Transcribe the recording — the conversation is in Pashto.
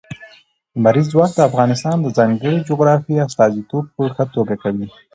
لمریز ځواک د افغانستان د ځانګړي جغرافیې استازیتوب په ښه توګه کوي.